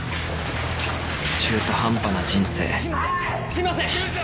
すいません！